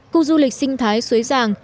cụ du lịch sinh thái suối giàng